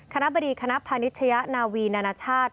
บดีคณะพานิชยะนาวีนานาชาติ